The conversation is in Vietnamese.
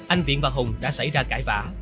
anh viện và hùng đã xảy ra cãi vã